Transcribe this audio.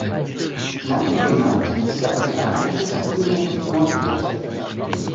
Nach ihm benannt ist der antarktische Stuhlinger-Piedmont-Gletscher.